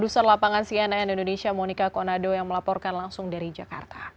terima kasih juga di area istora senayan